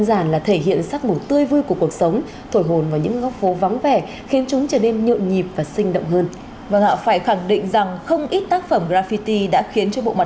xin chào và hẹn gặp lại trong các bộ phim tiếp theo